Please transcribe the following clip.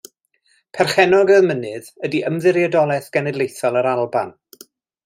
Perchennog y mynydd ydy Ymddiriedolaeth Genedlaethol yr Alban.